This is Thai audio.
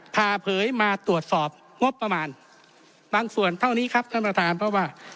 เผยมาตรวจสอบงบประมาณบางส่วนเท่านี้ครับท่านประธานเพราะว่า